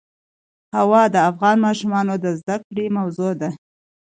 هوا د افغان ماشومانو د زده کړې موضوع ده.